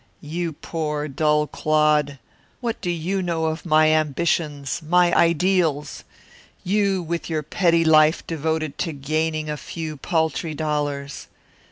You poor, dull clod, what do you know of my ambitions, my ideals? You, with your petty life devoted to gaining a few paltry dollars!"